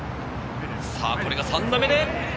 これが３打目で。